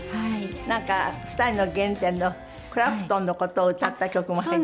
なんか２人の原点のクラプトンの事を歌った曲も入っている。